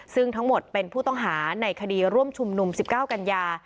ซึ่งทั้งหมดเป็นผู้ต้องหาในคดีร่วมชุมนุม๑๙กันยา